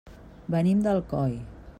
Venim d'Alcoi.